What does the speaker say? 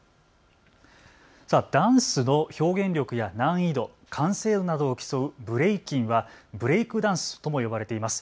ダンスの表現力や難易度、完成度などを競うブレイキンはブレイクダンスとも呼ばれています。